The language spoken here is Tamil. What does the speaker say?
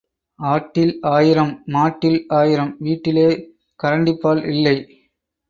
ஆட்டில் ஆயிரம், மாட்டில் ஆயிரம் வீட்டிலே கரண்டிபால் இல்லை.